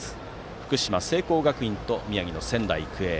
福島の聖光学院と宮城の仙台育英。